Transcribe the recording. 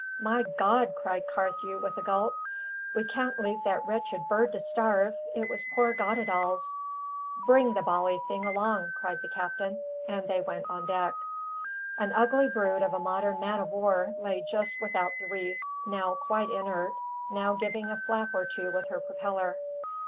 "My God!" cried Carthew, with a gulp, "we can't leave that wretched bird to starve. It was poor Goddedaal's." "Bring the bally thing along!" cried the captain. And they went on deck. An ugly brute of a modern man of war lay just without the reef, now quite inert, now giving a flap or two with her propeller.